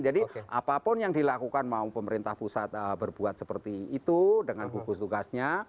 jadi apapun yang dilakukan mau pemerintah pusat berbuat seperti itu dengan hukum tugasnya